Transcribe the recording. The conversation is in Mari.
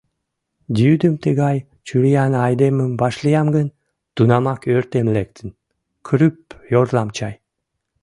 Йӱдым тыгай чуриян айдемым вашлиям гын, тунамак, ӧртем лектын, крӱп йӧрлам чай».